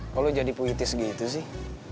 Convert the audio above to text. kalo lo jadi puitis gitu sih